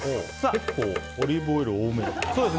結構、オリーブオイル多めで。